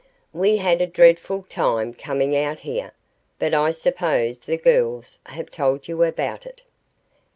"We had a dreadful time coming out here but I suppose the girls have told you about it."